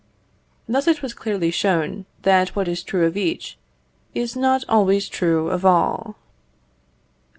Thus it was clearly shown, that what is true of each, is not always true of all.